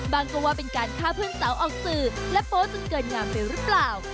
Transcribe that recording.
ก็ว่าเป็นการฆ่าเพื่อนสาวออกสื่อและโป๊จนเกินงามไปหรือเปล่า